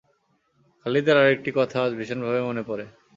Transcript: খালিদের আরেকটি কথা আজ ভীষণভাবে মনে পড়ে।